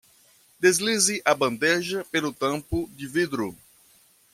Deslize a bandeja pelo tampo de vidro.